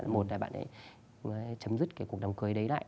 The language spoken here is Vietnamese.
một là bạn ấy chấm dứt cuộc đám cưới đấy lại